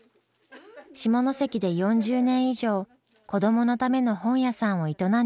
下関で４０年以上子どものための本屋さんを営んできました。